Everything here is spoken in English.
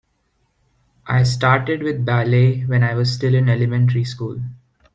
I started with ballet when I was still in elementary school.